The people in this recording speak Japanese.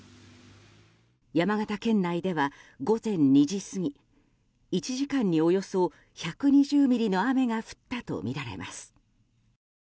山形県内では午前２時過ぎ１時間におよそ１２０ミリの雨が降ったとみられます。